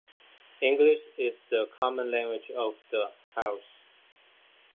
English is the common language of the house.